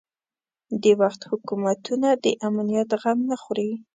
د وخت حکومتونه د امنیت غم نه خوري.